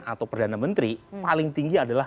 atau perdana menteri paling tinggi adalah